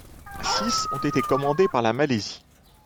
Six ont été commandés par la Malaisie.